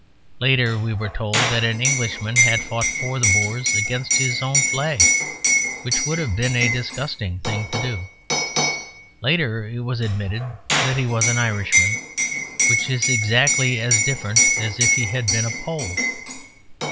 Later we were told that an Englishman had fought for the Boers against his own flag, which would have been a disgusting thing to do. Later, it was admitted that he was an Irishman; which is exactly as different as if he had been a Pole.